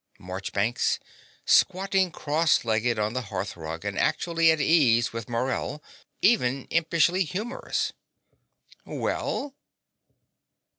MARCHBANKS (squatting cross legged on the hearth rug, and actually at ease with Morell even impishly humorous). Well?